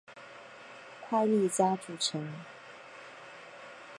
快利佳组成。